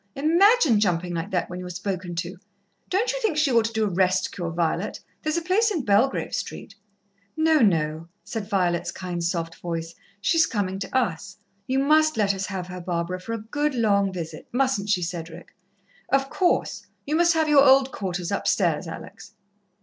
Imagine jumping like that when you're spoken to! Don't you think she ought to do a rest cure, Violet? There's a place in Belgrave Street." "No, no," said Violet's kind, soft voice. "She's coming to us. You must let us have her, Barbara, for a good long visit. Mustn't she, Cedric?" "Of course. You must have your old quarters upstairs, Alex."